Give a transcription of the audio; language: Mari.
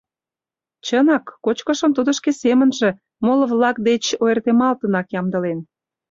Чынак, кочкышым тудо шке семынже, моло-влак деч ойыртемалтынак ямдылен.